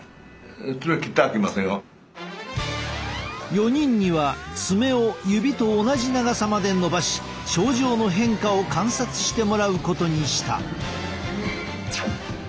４人には爪を指と同じ長さまで伸ばし症状の変化を観察してもらうことにした。